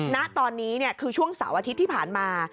ณตอนนี้คือช่วงเสาร์อาทิตย์ที่ผ่านมา